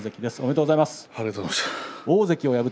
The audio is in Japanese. ありがとうございます。